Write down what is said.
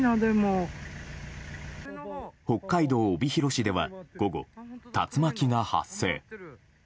北海道帯広市では午後、竜巻が発生。